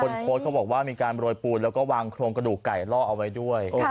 โพสต์เขาบอกว่ามีการโรยปูนแล้วก็วางโครงกระดูกไก่ล่อเอาไว้ด้วย